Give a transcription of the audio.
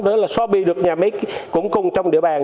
xóa bi được nhà máy củng cung trong địa bàn